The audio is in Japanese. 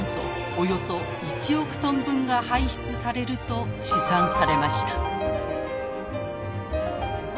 およそ１億トン分が排出されると試算されました。